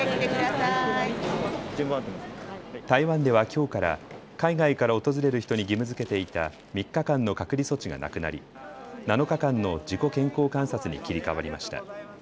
台湾ではきょうから海外から訪れる人に義務づけていた３日間の隔離措置がなくなり７日間の自己健康観察に切り替わりました。